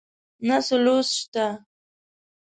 نه څه لوست شته